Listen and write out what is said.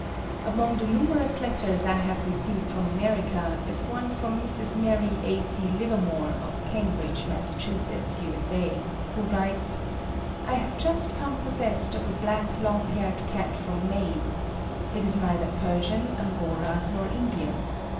Among the numerous letters I have received from America is one from Mrs. Mary A. C. Livermore, of Cambridge, Mass., U.S.A., who writes: "I have just come possessed of a black long haired Cat from Maine. It is neither Persian, Angora, nor Indian.